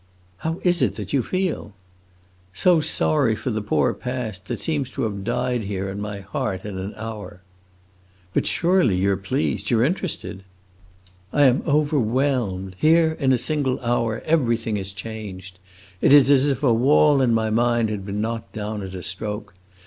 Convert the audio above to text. "How is it that you feel?" "So sorry for the poor past, that seems to have died here, in my heart, in an hour!" "But, surely, you 're pleased you 're interested." "I am overwhelmed. Here in a single hour, everything is changed. It is as if a wall in my mind had been knocked down at a stroke.